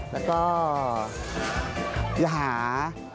แล้วก็ยหา